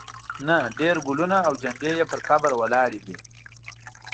نه ډېر ګلونه او جنډې یې پر قبر ولاړې وې.